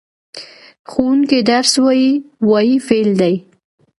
ښوونکی درس وايي – "وايي" فعل دی.